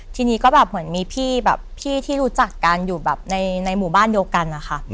ทีนี้ก็แบบเหมือนมีพี่แบบพี่ที่รู้จักกันอยู่แบบในหมู่บ้านเดียวกันนะคะ